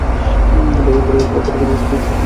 বাপরে, খড়ের গাঁদায় সূচ খোঁজার মতো!